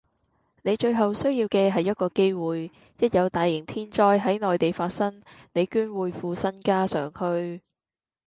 你最後需要既係一個機會，一有大型天災係內地發生，你捐會副身家上去